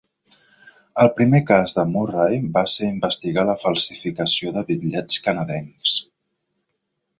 El primer cas de Murray va ser investigar la falsificació de bitllets canadencs.